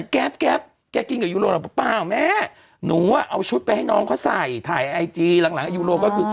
แก๊ปแก๊ปแกกินกับยูโรหรือเปล่าแม่หนูอ่ะเอาชุดไปให้น้องเขาใส่ถ่ายไอจีหลังหลังยูโรก็คือ